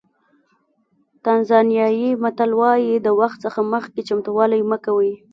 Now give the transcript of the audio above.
تانزانیایي متل وایي د وخت څخه مخکې چمتووالی مه کوئ.